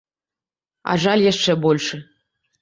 А жаль яшчэ большы.